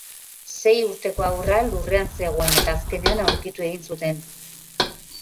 Sei urteko haurra lurrean zegoen eta azkenean aurkitu egin zuten.